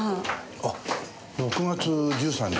あっ６月１３日ですね。